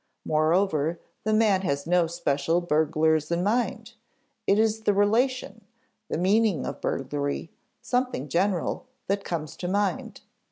Moreover, the man has no special burglars in mind; it is the relation, the meaning of burglary something general that comes to mind.